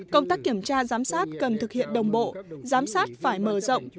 công tác kiểm tra giám sát cần thực hiện đồng bộ giám sát phải mở rộng